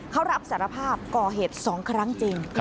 เขารับสารภาพก่อเหตุ๒ครั้งจริง